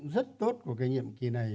rất tốt của cái nhiệm kỳ này